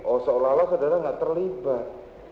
oh seolah olah saudara nggak terlibat